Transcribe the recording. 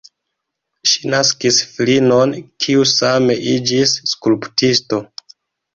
Ŝi naskis filinon, kiu same iĝis skulptisto.